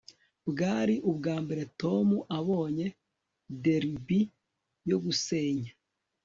bwari ubwambere tom abonye derby yo gusenya